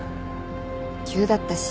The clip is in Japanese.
急だったし。